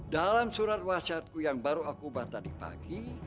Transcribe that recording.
dalam surat wasiatku yang baru aku buat tadi pagi